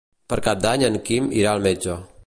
Per Cap d'Any en Quim irà al metge.